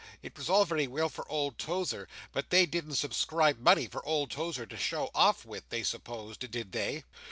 It was all very well for old Tozer, but they didn't subscribe money for old Tozer to show off with, they supposed; did they?